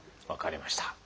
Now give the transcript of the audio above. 分かりました。